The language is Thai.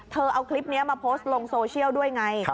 เอาคลิปนี้มาโพสต์ลงโซเชียลด้วยไง